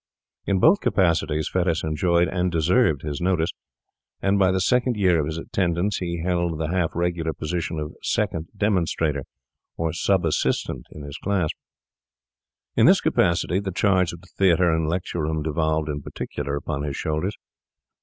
In both capacities Fettes enjoyed and deserved his notice, and by the second year of his attendance he held the half regular position of second demonstrator or sub assistant in his class. In this capacity the charge of the theatre and lecture room devolved in particular upon his shoulders.